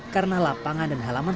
karena lapangan dan halaman